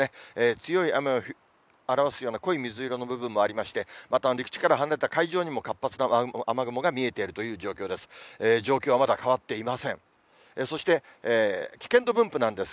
強い雨を表すような濃い水色の部分もありまして、また陸地から離れた海上にも活発な雨雲が見えているという状況です。